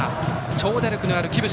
長打力のある木伏